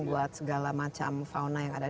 buat segala macam fauna yang ada